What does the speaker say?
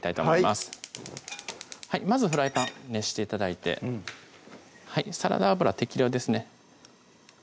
まずフライパン熱して頂いてサラダ油適量ですね